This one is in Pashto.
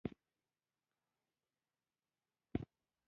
د انځرو صادرات هند ته ډیر دي.